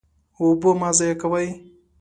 اوبه مه ضایع کوئ.